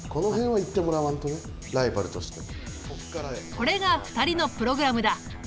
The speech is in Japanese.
これが２人のプログラムだ！